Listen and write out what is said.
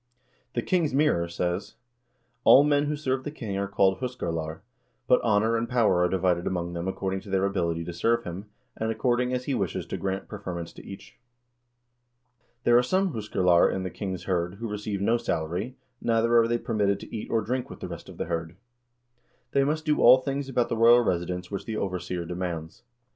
The " King's Mirror" says :" All men who serve the king are called 'huskarlar,' but honor and power are divided among them accord ing to their ability to serve him, and according as he wishes to grant preferments to each. There are some huskarlar in the king's hird who receive no salary, neither are they permitted to eat or drink with the rest of the hird. They must do all things about the royal resi dence which the overseer demands."